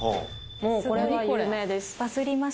もうこれは有名です